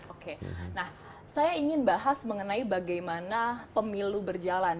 oke nah saya ingin bahas mengenai bagaimana pemilu berjalan